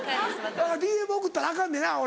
ＤＭ送ったらアカンねんな俺。